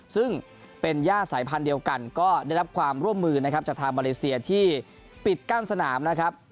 ซึ่งเป็นย่าสายพันธุ์เดียวกันก็ได้รับความร่วมมือนะครับจากทางมาเลเซียที่ปิดกั้นสนามนะครับ